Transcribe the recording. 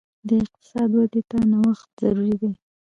د اقتصاد ودې ته نوښت ضروري دی.